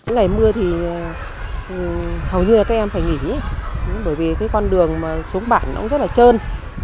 ngày mưa thì hầu như các em phải nghỉ bởi vì con đường xuống bản rất là trơn